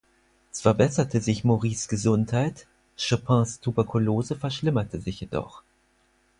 Zwar besserte sich Maurice' Gesundheit, Chopins Tuberkulose verschlimmerte sich jedoch.